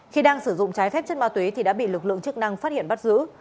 khi đang sử dụng trái phép chất ma túy thì đã bị lực lượng chức năng phát hiện bắt giữ